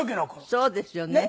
そうですよね。